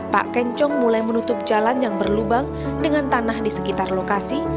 pak kencong mulai menutup jalan yang berlubang dengan tanah di sekitar lokasi